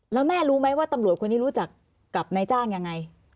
แล้วแม่รู้ไหมว่าตำรวจคนนี้รู้จักกับนายจ้างยังไง